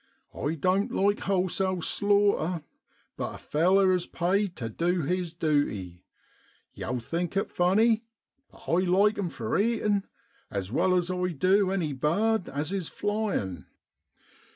I doan't like wholesale slaughter, but a feller is paid tu du his duty. Yow'll think it funny, but I like 'em for eatin' as well as I du any bird as is a flyin'